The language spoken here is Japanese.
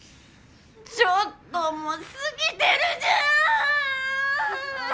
ちょっともう過ぎてるじゃん！